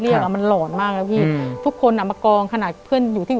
อเรนนี่อเรนนี่อเรนนี่